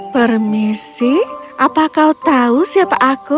permisi apa kau tahu siapa aku